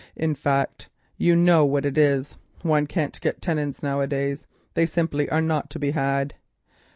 In fact, you know what it is, one can't get tenants now a days, they simply are not to be had.